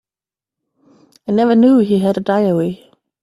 I never knew he had a diary.